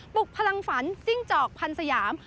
ลุกพลังฝันจิ้งจอกพันธ์สยาม